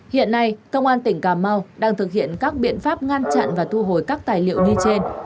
hiện nay công an tỉnh cà mau đang thực hiện các biện pháp ngăn chặn và thu hồi các tài liệu như trên